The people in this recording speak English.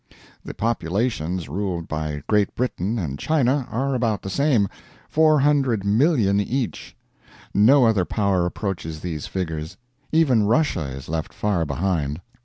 The populations ruled by Great Britain and China are about the same 400,000,000 each. No other Power approaches these figures. Even Russia is left far behind.